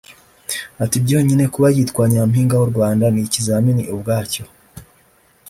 Ati "Byonyine kuba yitwa Nyampinga w’u Rwanda ni ikizamini ubwacyo